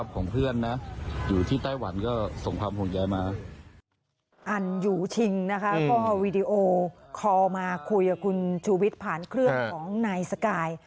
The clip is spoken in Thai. อันอยู่ชิงนะคะก็วีดีโอคอลมาคุยกับคุณชูวิทย์ผ่านเครื่องของนายสกาย